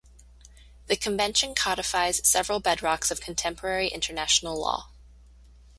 The Convention codifies several bedrocks of contemporary international law.